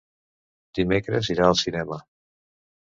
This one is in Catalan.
Dimecres irà al cinema.